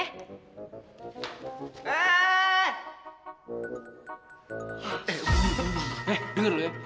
eh denger lu ya